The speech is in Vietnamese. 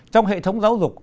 trong hệ thống giáo dục